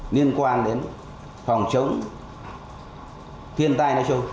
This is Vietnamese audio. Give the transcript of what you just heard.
liên quan đến phòng chống thiên tai nói chung